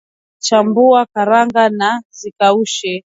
Chambua karanga na zikaushe